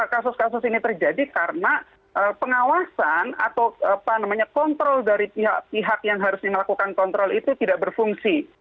kasus kasus ini terjadi karena pengawasan atau apa namanya kontrol dari pihak pihak yang harus melakukan kontrol itu tidak berfungsi